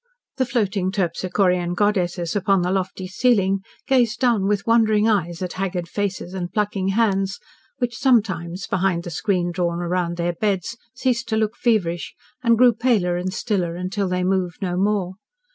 The floating Terpsichorean goddesses upon the lofty ceiling gazed down with wondering eyes at haggard faces and plucking hands which sometimes, behind the screen drawn round their beds, ceased to look feverish, and grew paler and stiller, until they moved no more.